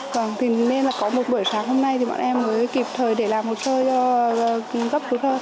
còn thì nên là có một buổi sáng hôm nay thì bọn em mới kịp thời để làm hồ sơ cho gấp hồ sơ